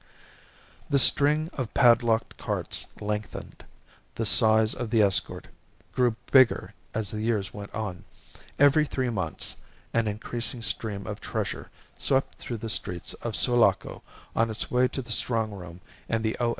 The string of padlocked carts lengthened, the size of the escort grew bigger as the years went on. Every three months an increasing stream of treasure swept through the streets of Sulaco on its way to the strong room in the O.